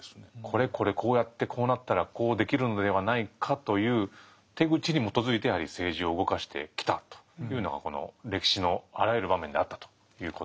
これこれこうやってこうなったらこうできるのではないかという手口に基づいてやはり政治を動かしてきたというのがこの歴史のあらゆる場面であったということですね。